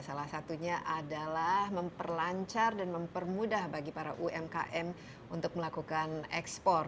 salah satunya adalah memperlancar dan mempermudah bagi para umkm untuk melakukan ekspor